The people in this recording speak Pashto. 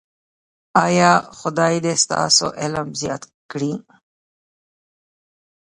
ایا خدای دې ستاسو علم زیات کړي؟